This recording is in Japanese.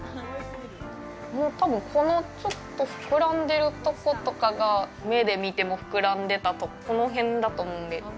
たぶん、このちょっと膨らんでるとことかが目で見ても膨らんでた、この辺だと思うんで。